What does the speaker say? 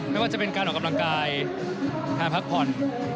ไม่ว่าจะเป็นการออกกำลังกายการพักผ่อน